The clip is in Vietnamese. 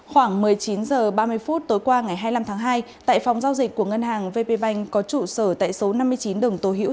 khoảng một mươi chín h ba mươi phút tối qua ngày hai mươi năm tháng hai tại phòng giao dịch của ngân hàng vp vanh có trụ sở tại số năm mươi chín đường tô hữu tp đồng hới tp quang bình đã xảy ra cháy